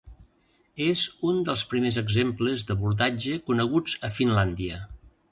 És un dels primers exemples d'abordatge coneguts a Finlàndia.